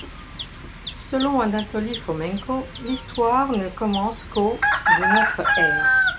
Selon Anatoli Fomenko, l'Histoire ne commence qu'au de notre ère.